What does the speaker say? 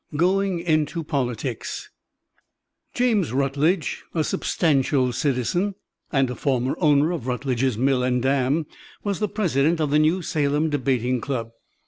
GOING INTO POLITICS James Rutledge, a "substantial" citizen, and the former owner of Rutledge's mill and dam, was the president of the New Salem debating club.